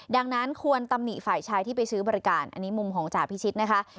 ดังนั้นควรตำหนิฝ่ายชายที่ไปซื้อบริการอันนี้มุมของจ่าพิชิตนะคะ